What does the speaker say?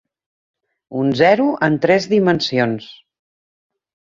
Un zero en tres dimensions.